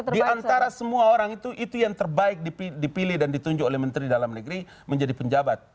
di antara semua orang itu itu yang terbaik dipilih dan ditunjuk oleh menteri dalam negeri menjadi penjabat